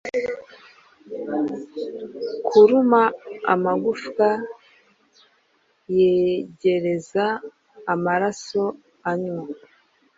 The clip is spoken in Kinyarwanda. Kuruma amagufwa ye-gerezaamaraso anywa